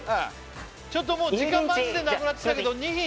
ちょっともう時間マジでなくなってきたけど２品